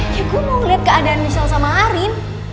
ya gue mau liat keadaan misha sama arin